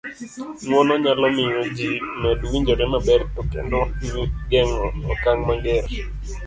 ng'uono nyalo miyo ji med winjore maber to kendo geng'o okang' mager